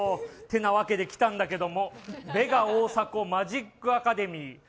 てなわけで来たんだけどもベガ大迫マジックアカデミー。